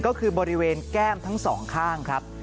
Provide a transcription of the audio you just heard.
ก็คือบริเวณแก้มทั้งสองข้างครับ